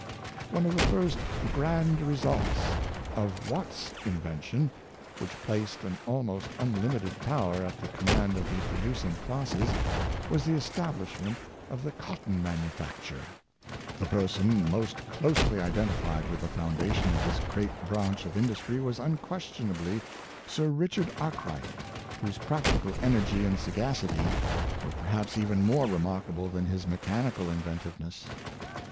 One of the first grand results of Watt's invention — which placed an almost unlimited power at the com mand of the producing classes — was the establishment of the cotton manufacture. The person most closely identified with the foundation of this great branch of Richard A rkwright^ Barber, 209 industry was unquestionably Sir Richard Arkright, whose practical energy and sagacity were perhaps even more remarkable than his mechanical inventiveness.